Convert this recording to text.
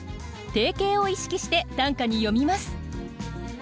定型を意識して短歌に詠みます。